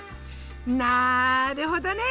なるほどね。